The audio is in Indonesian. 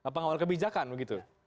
pengawal kebijakan begitu